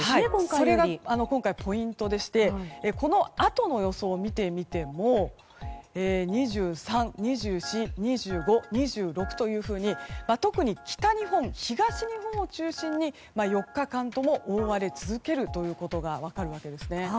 それが今回のポイントでしてこのあとの予想を見てみても２３、２４、２６というふうに特に北日本、東日本を中心に４日間とも覆われ続けることが分かるんですね。